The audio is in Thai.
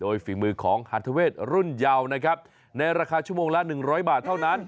โดยฝีมือของฮัตเทอเวศรุ่นยาวนะครับในราคาชั่วโมงละหนึ่งร้อยบาทเท่านั้น